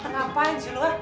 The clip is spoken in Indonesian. kenapaan sih lu ya